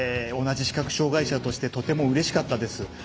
同じ視覚障がい者としてとても、うれしかったです。